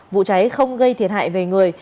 vụ cháy không gây thiệt hại về người